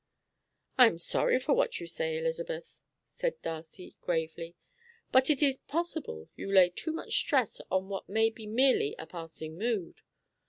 "I am sorry for what you say, Elizabeth," said Darcy gravely; "but it is possible you lay too much stress on what may be merely a passing mood.